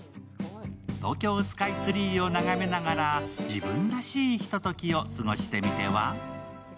東京スカイツリーを眺めながら自分らしいひとときを過ごしてみては？